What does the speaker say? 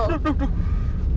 tuh tuh tuh